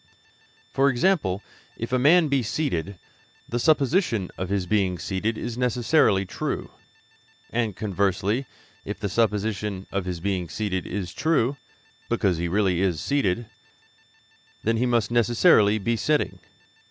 For example, if a man be seated, the supposition of his being seated is necessarily true; and, conversely, if the supposition of his being seated is true, because he is really seated, he must necessarily be sitting.